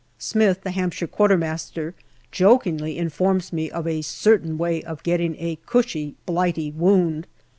Smith, the Hampshire Quartermaster, jokingly informs me of a certain way of getting a cushy Blighty wound.